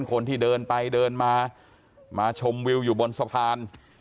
คนที่เดินไปเดินมามาชมวิวอยู่บนสะพาน